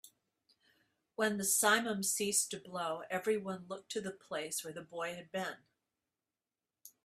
When the simum ceased to blow, everyone looked to the place where the boy had been.